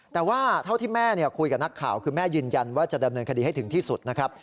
แต่ว่าเท่าที่แม่คุยกับนักข่าวคือแม่ยืนยันว่าจะดำเนินคดีให้ถึงที่สุดนะครับ